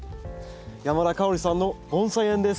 山田香織さんの盆栽園です。